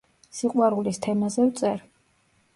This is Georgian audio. სიყვარულის თემაზე ვწერ.